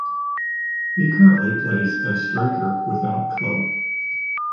He currently plays as striker without club.